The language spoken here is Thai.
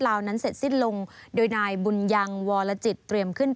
นั้นเสร็จสิ้นลงโดยนายบุญยังวรจิตเตรียมขึ้น